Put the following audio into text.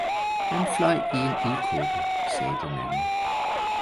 Han fløj i en ildkåbe, sagde den anden.